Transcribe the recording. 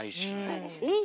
そうですね。